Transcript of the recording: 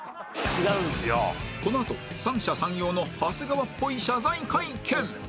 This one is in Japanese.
このあと三者三様の長谷川っぽい謝罪会見